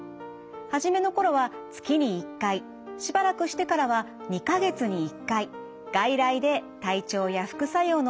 初めの頃は月に１回しばらくしてからは２か月に１回外来で体調や副作用のチェックをしています。